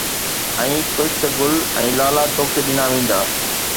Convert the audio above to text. ۽ ڪشت گل ۽ لالا توکي ڏنا ويندا